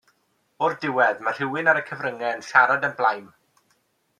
O'r diwedd mae rhywun ar y cyfryngau yn siarad yn blaen